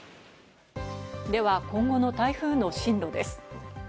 では、今後の台風の進路です。